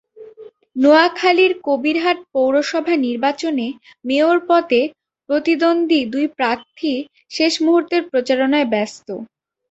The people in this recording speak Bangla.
নোয়াখালীর কবিরহাট পৌরসভা নির্বাচনে মেয়র পদে প্রতিদ্বন্দ্বী দুই প্রার্থী শেষ মুহূর্তের প্রচারণায় ব্যস্ত।